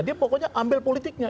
dia pokoknya ambil politiknya